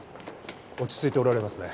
落ち着いておられますね。